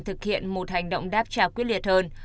thực hiện một hành động đáp trả quyết liệt hơn